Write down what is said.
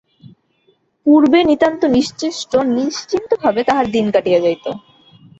পূর্বে নিতান্ত নিশ্চেষ্ট নিশ্চিন্তভাবে তাহার দিন কাটিয়া যাইত।